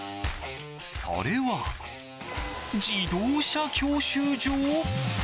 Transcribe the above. それは自動車教習所？